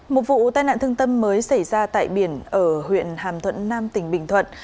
một vụ tai nạn thương tâm mới xảy ra tại biển ở huyện hàm thuận nam tỉnh bình thuận